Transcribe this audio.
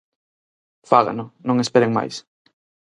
Fágano, non esperen máis.